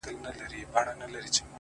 په اور دي وسوځم په اور مي مه سوځوه